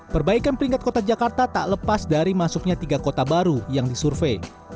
perbaikan peringkat kota jakarta tak lepas dari masuknya tiga kota baru yang disurvey